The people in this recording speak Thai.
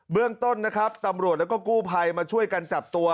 เรื่องต้นนะครับตำรวจแล้วก็กู้ภัยมาช่วยกันจับตัว